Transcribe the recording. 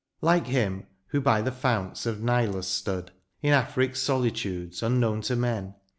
Like him,* who by the founts of Nilus stood. In Afric^s sohtudes unknown to men.